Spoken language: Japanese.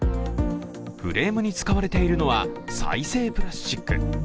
フレームに使われているのは再生プラスチック。